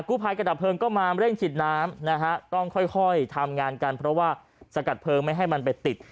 ผู้ภัยกระดับเพลิงก็มาเร่งฉีดน้ำนะฮะต้องค่อยค่อยทำงานกันเพราะว่าสกัดเพลิงไม่ให้มันไปติด